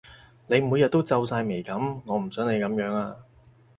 你每日都皺晒眉噉，我唔想你噉樣呀